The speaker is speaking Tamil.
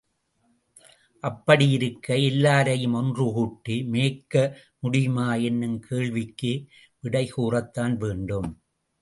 அப்படியிருக்க, எல்லாரையும் ஒன்றுகூட்டி மேய்க்க முடியுமா? என்னுங் கேள்விக்கு விடை கூறத்தான் வேண்டும்.